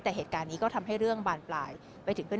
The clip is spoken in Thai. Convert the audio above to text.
แต่เหตุการณ์นี้ก็ทำให้เรื่องบานปลายไปถึง